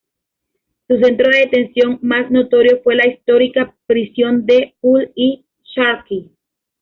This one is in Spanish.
Su centro de detención más notorio fue la histórica prisión de "Pul-i-Charkhi".